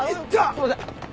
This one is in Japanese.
すいません。